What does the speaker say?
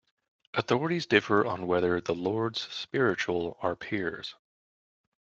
Authorities differ on whether the Lords Spiritual are peers.